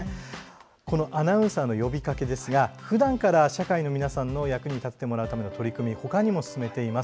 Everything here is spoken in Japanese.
アナウンサーの呼びかけですがふだんから社会のお役に立ててもらうための取り組みを他にも進めています。